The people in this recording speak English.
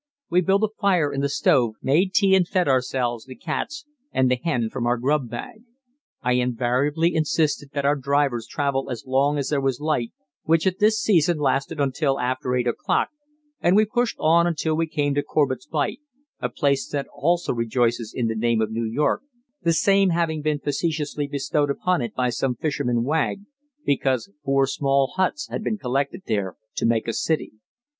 We built a fire in the stove, made tea and fed ourselves, the cats, and the hen from our grub bag. I invariably insisted that our drivers travel as long as there was light, which at this season lasted until after eight o'clock, and we pushed on until we came to Corbett's Bite, a place that also rejoices in the name of New York, the same having been facetiously bestowed upon it by some fisherman wag, because four small huts had been collected there to make a "city."